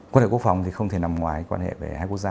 quan hệ quốc phòng thì không thể nằm ngoài quan hệ về hai quốc gia